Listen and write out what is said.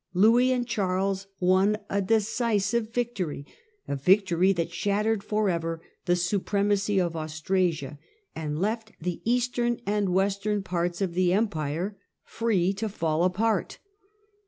Louis and Charles won a decisive victory — a victory that shattered for ever the supremacy of Australia and left the eastern and western parts of the Empire free to fall apart.